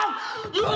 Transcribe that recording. うわ！